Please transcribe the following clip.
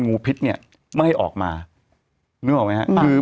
มันติดคุกออกไปออกมาได้สองเดือน